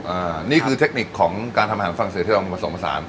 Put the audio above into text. อ่านี่คือเทคนิคของการทำอาหารฟรังเศรษฐ์ที่เรามาส่งประสาน